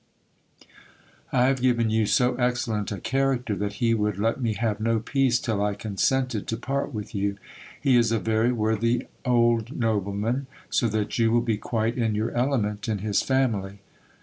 I have given you so excellent a character, that he would let me have no peace till I consented to part with you. He is a very worthy old nobleman, so that you will be quite in your element in his family.